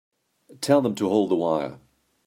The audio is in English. Tell them to hold the wire.